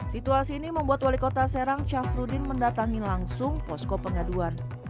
situasi ini membuat wali kota serang syafruddin mendatangi langsung posko pengaduan